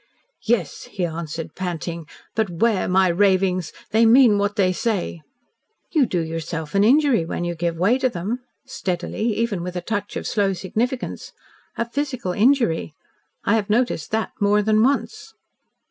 "Yes," he answered, panting, "but 'ware my ravings! They mean what they say." "You do yourself an injury when you give way to them" steadily, even with a touch of slow significance "a physical injury. I have noticed that more than once."